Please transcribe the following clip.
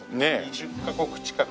２０カ国近く。